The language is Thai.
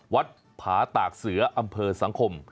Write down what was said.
วัดผาตากเสืออำเภอสังคม